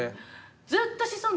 ずっとシソンヌでした？